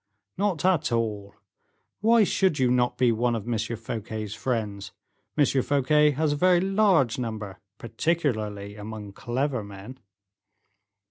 "Not at all; why should you not be one of M. Fouquet's friends? M. Fouquet has a very large number, particularly among clever men."